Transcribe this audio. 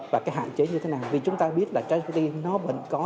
và cái hạn chế như thế nào vì chúng ta biết là trashcbt nó vẫn có